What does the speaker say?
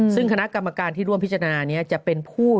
ซึ่งคณะกรรมการที่ร่วมพิจารณานี้จะเป็นผู้